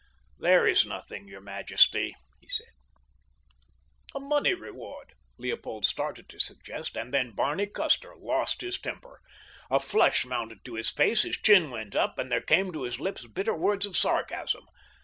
"There is nothing, your majesty," he said. "A money reward," Leopold started to suggest, and then Barney Custer lost his temper. A flush mounted to his face, his chin went up, and there came to his lips bitter words of sarcasm.